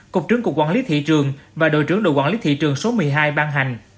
cục trưởng cục quản lý thị trường và đội trưởng đội quản lý thị trường số một mươi hai ban hành